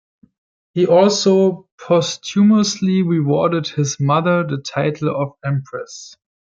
He also posthumously rewarded his mother the title of empress.